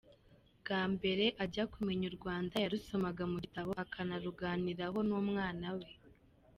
Bwa mbere ajya kumenya u Rwanda, yarusomaga mu gitabo akanaruganiraho n’umwana we.